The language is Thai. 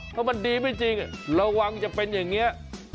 ถ้ามันดีไม่จริงระวังจะเป็นอย่างนี้